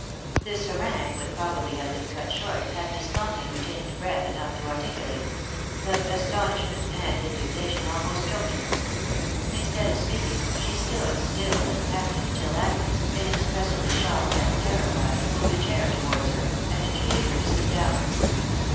This harangue would probably have been cut short, had Miss Compton retained breath enough to articulate ; but astonishment and indignation almost choked her : instead of speaking, she stood still and panted, till Agnes, inexpressibly shocked and terrified, moved a chair towards her, and entreated her to sit down.